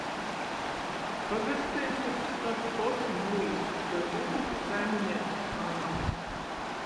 Pagasteisit i tod poši nūīsit gar upi pi saimineicys Annys.